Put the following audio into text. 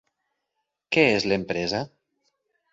Què és l'empresa?